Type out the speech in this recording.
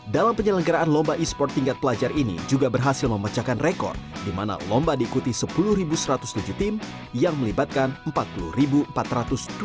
dalam penyelenggaraan lomba e sport tingkat pelajar ini juga berhasil memecahkan rekor di mana lomba diikuti sepuluh satu ratus tujuh tim yang melibatkan empat puluh empat ratus dua puluh